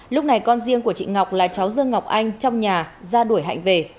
lúc này con riêng của chị ngọc là cháu dương ngọc anh trong nhà ra đuổi hạnh về